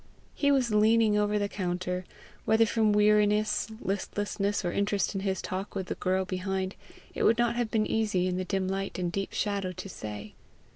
He was leaning over the counter whether from weariness, listlessness, or interest in his talk with the girl behind, it would not have been easy, in the dim light and deep shadow, to say.